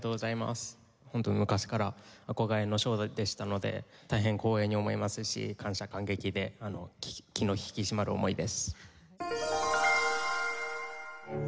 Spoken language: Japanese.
本当に昔から憧れの賞でしたので大変光栄に思いますし感謝感激で気の引き締まる思いです。